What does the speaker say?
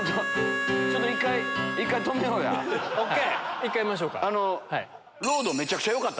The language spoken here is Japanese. １回やめましょうか。